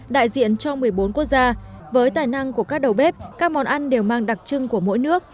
đại diện cho một mươi bốn quốc gia với tài năng của các đầu bếp các món ăn đều mang đặc trưng của mỗi nước